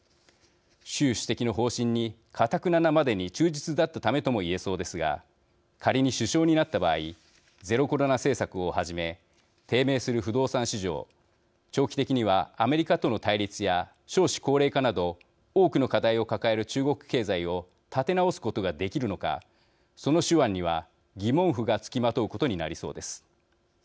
習主席の方針にかたくななまでに忠実だったためともいえそうですが仮に首相になった場合ゼロコロナ政策をはじめ低迷する不動産市場長期的にはアメリカとの対立や少子高齢化など多くの課題を抱える中国経済を立て直すことができるのかその手腕には疑問符がつきまとうことになりそうです。